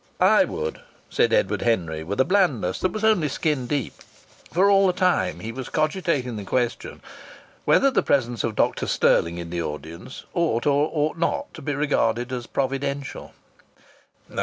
"I would," said Edward Henry with a blandness that was only skin deep. For all the time he was cogitating the question whether the presence of Dr Stirling in the audience ought or ought not to be regarded as providential.